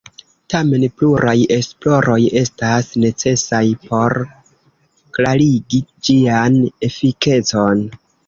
Tamen, pluraj esploroj estas necesaj por klarigi ĝian efikecon.